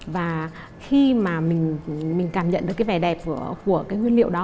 và khi mà mình cảm nhận được cái vẻ đẹp của cái nguyên liệu đó